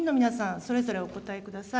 それぞれお答えください。